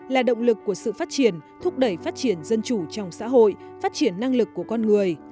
là động lực của sự phát triển thúc đẩy phát triển dân chủ trong xã hội phát triển năng lực của con người